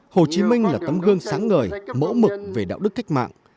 hồ chí minh là tấm gương sáng ngời mẫu mực về đạo đức cách mạng